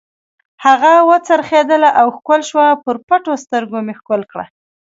هغه و څرخېدله او ښکل شوه، پر پټو سترګو مې ښکل کړه.